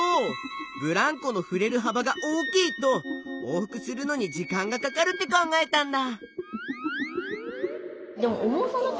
ブランコのふれる幅が大きいと往復するのに時間がかかるって考えたんだ。